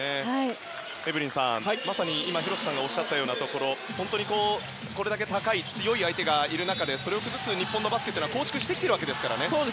エブリンさん広瀬さんがおっしゃったように本当にこれだけ高い、強い相手がいる中でそれを崩す日本のバスケは構築してきていますからね。